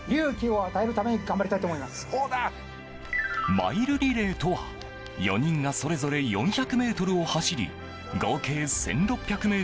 マイルリレーとは４人がそれぞれ４００ｍを走り合計１６００ｍ